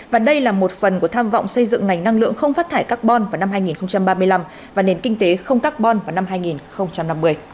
và đây là một phần của tham vọng xây dựng ngành năng lượng không phát thải carbon vào năm hai nghìn ba mươi năm và nền kinh tế không carbon vào năm hai nghìn năm mươi